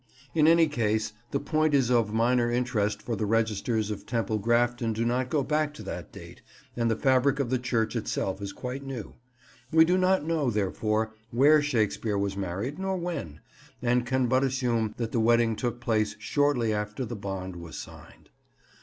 In any case, the point is of minor interest for the registers of Temple Grafton do not go back to that date, and the fabric of the church itself is quite new. We do not know, therefore, where Shakespeare was married, nor when; and can but assume that the wedding took place shortly after the bond was signed.